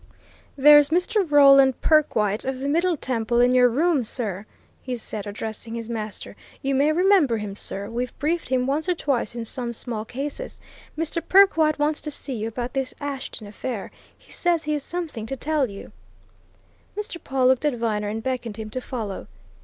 "There's Mr. Roland Perkwite, of the Middle Temple, in your room, sir," he said, addressing his master. "You may remember him, sir we've briefed him once or twice in some small cases. Mr. Perkwite wants to see you about this Ashton affair he says he's something to tell you." Mr. Pawle looked at Viner and beckoned him to follow.